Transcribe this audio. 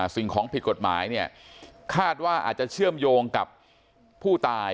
สิ่งของผิดกฎหมายเนี่ยคาดว่าอาจจะเชื่อมโยงกับผู้ตาย